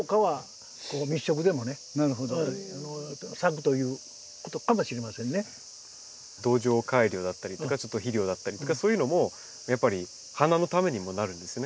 畑ということですから土壌改良だったりとか肥料だったりとかそういうのもやっぱり花のためにもなるんですね。